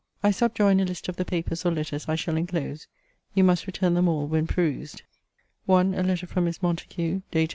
I subjoin a list of the papers or letters I shall enclose. You must return them all when perused.* * 1. A letter from Miss Montague, dated